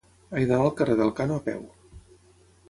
He d'anar al carrer d'Elkano a peu.